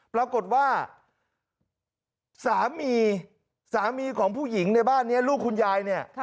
ปรากฏว่าสามีสามีของผู้หญิงในบ้านนี้ลูกคุณยายเนี่ย